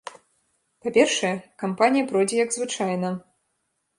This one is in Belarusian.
Па-першае, кампанія пройдзе як звычайна.